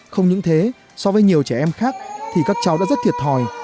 không những thế so với nhiều trẻ em khác thì các cháu đã rất thiệt thòi